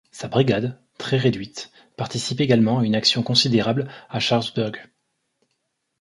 Sa brigade, très réduite, participe également à une action considérable à Sharpsburg.